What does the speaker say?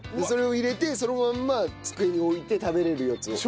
それを入れてそのまんま机に置いて食べれるやつ。